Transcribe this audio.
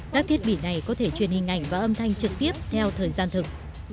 các thiết bị này có thể truyền hình ảnh và âm thanh trực tiếp theo thời gian thực